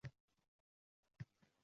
O‘lim, aslida, katta musibat emas.